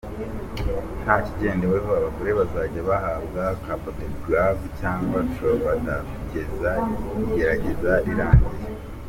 Nta kigendeweho abagore bazajya bahabwa cabotegravir cyangwa Truvada kugeza igerageza rirangiye.